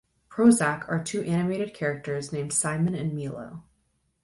Prozzak are two animated characters named Simon and Milo.